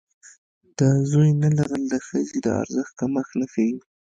د زوی نه لرل د ښځې د ارزښت کمښت نه ښيي.